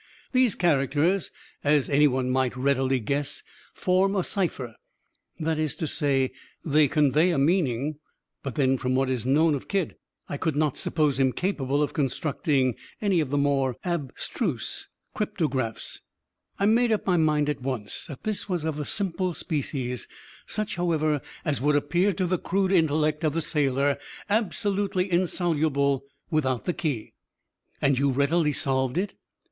These characters, as any one might readily guess, form a cipher that is to say, they convey a meaning; but then from what is known of Kidd, I could not suppose him capable of constructing any of the more abstruse cryptographs, I made up my mind, at once, that this was of a simple species such, however, as would appear, to the crude intellect of the sailor, absolutely insoluble without the key." "And you really solved it?"